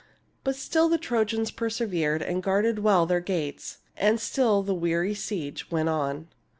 But still the Trojans persevered and guarded well their gates ; and still the weary siege went on.